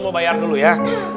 mau bayar dulu ya